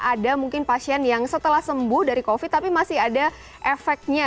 ada mungkin pasien yang setelah sembuh dari covid tapi masih ada efeknya